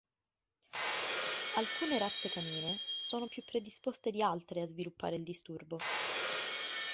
Alcune razze canine sono più predisposte di altre a sviluppare il disturbo.